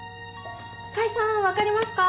甲斐さんわかりますか？